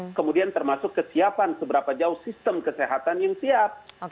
kemudian termasuk kesiapan seberapa jauh sistem kesehatan yang siap